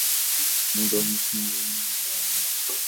এই আভিমন্যু ভীরকে আমাদের খুঁজে বের করতেই হবে।